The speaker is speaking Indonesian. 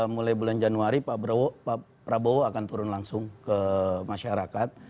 mulai bulan januari pak prabowo akan turun langsung ke masyarakat